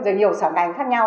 và nhiều sở ngành khác nhau